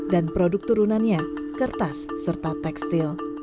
dan produk turunannya kertas serta tekstil